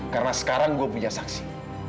karena sekarang gua punya saksi